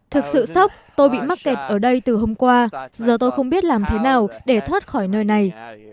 thực sự sốc tôi bị mắc kẹt ở đây từ hôm qua giờ tôi không biết làm thế nào để thoát khỏi nơi này